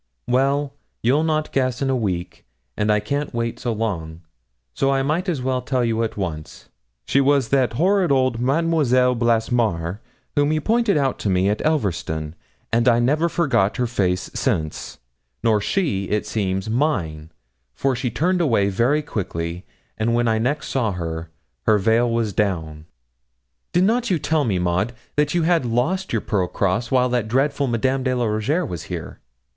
Well you'll not guess in a week, and I can't wait so long; so I may as well tell you at once she was that horrid old Mademoiselle Blassemare whom you pointed out to me at Elverston; and I never forgot her face since nor she, it seems, mine, for she turned away very quickly, and when I next saw her, her veil was down."' 'Did not you tell me, Maud, that you had lost your pearl cross while that dreadful Madame de la Rougierre was here?'